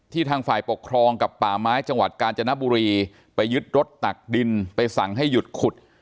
ทางฝ่ายปกครองกับป่าไม้จังหวัดกาญจนบุรีไปยึดรถตักดินไปสั่งให้หยุดขุด